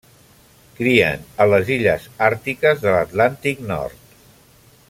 Crien a les illes àrtiques de l'Atlàntic Nord.